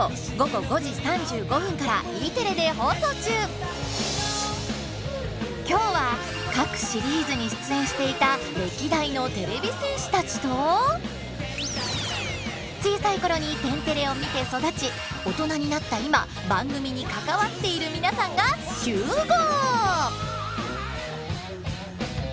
今は今日は各シリーズに出演していた歴代のてれび戦士たちと小さい頃に「天てれ」を見て育ちオトナになった今番組に関わっている皆さんが集合！